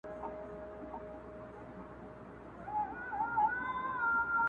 لا په زړه كي مي هغه نشه تازه ده-